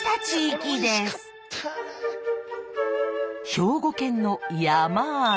兵庫県の山あい。